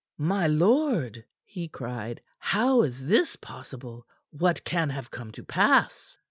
"My lord!" he cried. "How is this possible? What can have come to pass?"